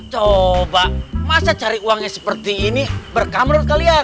coba masa cari uangnya seperti ini berkah menurut kalian